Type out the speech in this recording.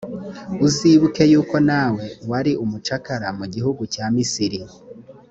uzibuke yuko nawe wari umucakara mu gihugu cya misiri,